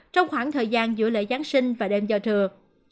trong khoảng thời gian giữa lễ giáng sinh và đêm giao thừa